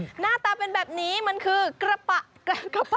หน้าตาเป็นแบบนี้มันคือกระปะกระปะ